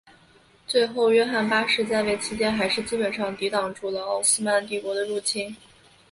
最后约翰八世在位期间还是基本上抵挡住了奥斯曼帝国的入侵。